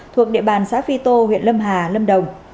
thuộc địa bàn xã phi tô huyện lâm hà lâm đồng